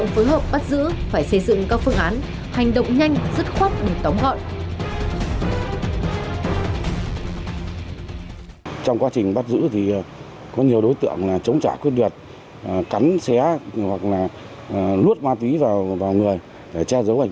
và thậm chí có những